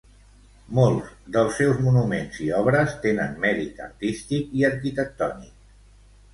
Molts dels seus monuments i obres tenen mèrit artístic i arquitectònic.